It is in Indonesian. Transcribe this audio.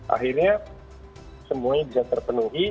akhirnya semuanya bisa terpenuhi